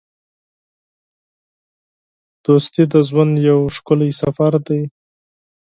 دوستي د ژوند یو ښکلی سفر دی.